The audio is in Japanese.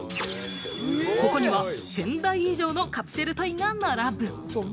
ここには１０００台以上のカプセルトイが並ぶ。